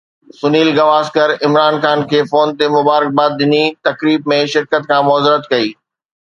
سنيل گواسڪر عمران خان کي فون تي مبارڪباد ڏني، تقريب ۾ شرڪت کان معذرت ڪئي